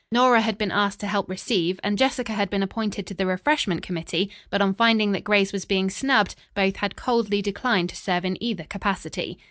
Nora had been asked to help receive and Jessica had been appointed to the refreshment committee, but on finding that Grace was being snubbed, both had coldly declined to serve in either capacity.